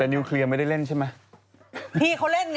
แต่นิ้วเคลียร์ไม่ได้เล่นใช่ไหม